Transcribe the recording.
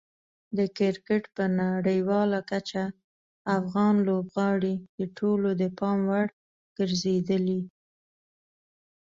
د کرکټ په نړیواله کچه افغان لوبغاړي د ټولو د پام وړ ګرځېدلي.